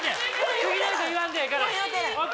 次の人言わんでええからＯＫ